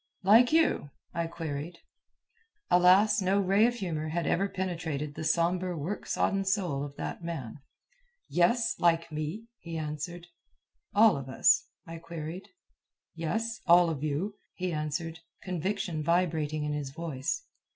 "Like you?" I queried. Alas, no ray of humor had ever penetrated the sombre work sodden soul of that man. "Yes, like me," he answered. "All of us?" I queried. "Yes, all of you," he answered, conviction vibrating in his voice.